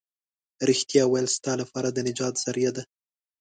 رښتيا ويل ستا لپاره د نجات ذريعه ده.